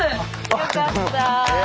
よかった。